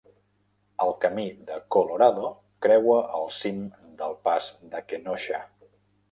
El camí del Colorado creua el cim del pas de Kenosha.